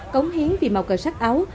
cống hiến vì màu cờ sắc áo